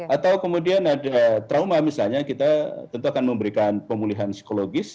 atau kemudian ada trauma misalnya kita tentu akan memberikan pemulihan psikologis